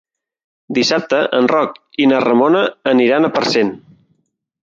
Dissabte en Roc i na Ramona aniran a Parcent.